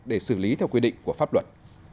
để xử lý theo quy định của pháp luật